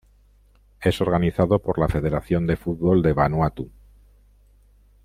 Es organizado por la Federación de Fútbol de Vanuatu.